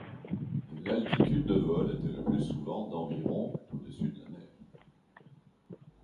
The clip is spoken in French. L'altitude de vol était le plus souvent d'environ au-dessus de la mer.